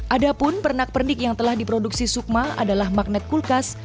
adapun pernak pernik yang telah diproduksi sukma adalah magnet kulkas